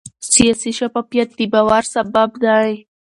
سیاسي شفافیت د باور سبب دی